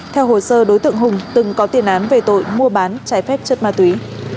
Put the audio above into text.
theo hồ sơ đối tượng hùng từng có tiền án về tội mua bán trái phép chất ma túy